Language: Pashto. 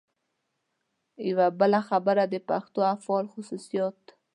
یوه بله خبره د پښتو افعالو خصوصیت.